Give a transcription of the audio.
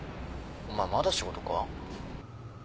お前まだ仕事か？